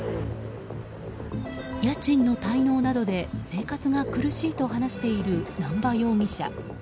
家賃の滞納などで生活が苦しいと話している南場容疑者。